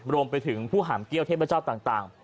รวมไปถึงผู้หามเกี้ยวเทพเจ้าต่าง